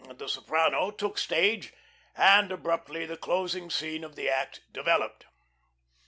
The soprano took stage, and abruptly the closing scene of the act developed.